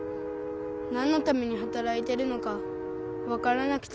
なんのためにはたらいてるのかわからなくて。